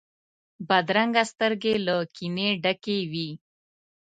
بدرنګه سترګې له کینې ډکې وي